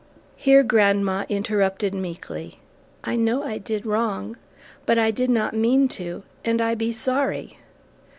Here grandma interrupted meekly, "I know I did wrong, but I did not mean to, and I be sorry."